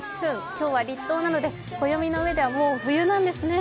今日は立冬なので、暦の上ではもう冬なんですね。